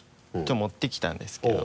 持ってきたんですけど。